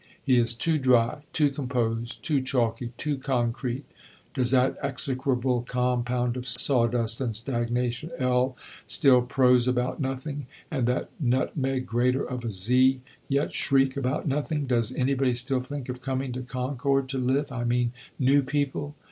He is too dry, too composed, too chalky, too concrete. Does that execrable compound of sawdust and stagnation L. still prose about nothing? and that nutmeg grater of a Z. yet shriek about nothing? Does anybody still think of coming to Concord to live? I mean new people?